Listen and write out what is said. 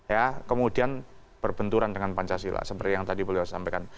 ya kemudian berbenturan dengan pancasila seperti yang tadi beliau sampaikan